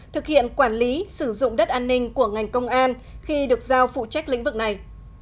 thực hiện quản lý sử dụng đất an ninh của ngành công an khi được giao phụ trách lĩnh vực này